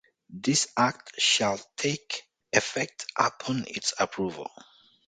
This Act shall take effect upon its approval.